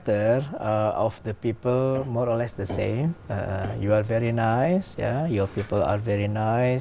tôi rất muốn